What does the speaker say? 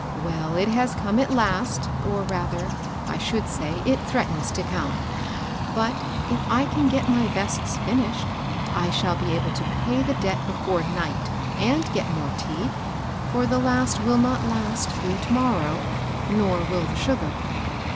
" Well, it has come at last, or rather, I should say, it threatens to come. But, if I can get my vests finished, I shall be able to pay the debt be fore night, and get more tea ; for the last will not last through to morrow ; nor will the sugar."